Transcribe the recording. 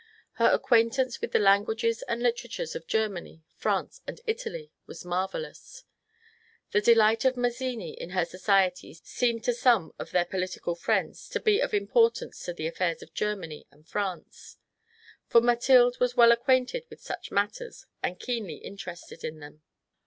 Her acquaintance with the languages and literatures of Germany, France, and Italy was marvellous. The delight of Mazzini in her society seemed to some of their political friends to be of importance to the affairs of Germany and France ; for Mathilde was well acquainted with such matters and keenly interested in them.